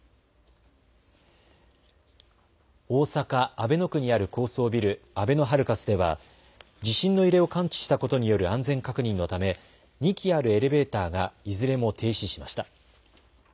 阿倍野区にある高層ビル、あべのハルカスでは地震の揺れを感知したことによる安全確認のため２基あるエレベーターがいずれも停止しました。